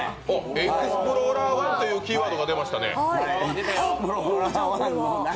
エクスプローラーⅠというキーワードが出ましたね。